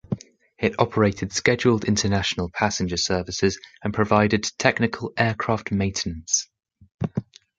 It operated scheduled international passenger services and provided technical aircraft maintenance.